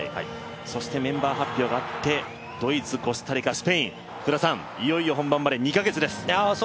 そしてメンバー発表があってドイツ、コスタリカ、スペイン、いよいよ本番まで２か月です。